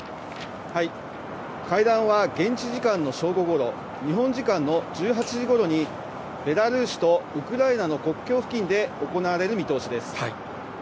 会談は現地時間の正午ごろ、日本時間の１８時ごろに、ベラルーシとウクライナの国境付近で行われる見通しです。